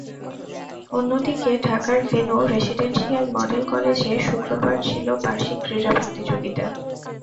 অন্যদিকে, ঢাকার venue residential model কলেজে শুক্রবার ছিল বার্ষিক ক্রীড়া প্রতিযোগিতা।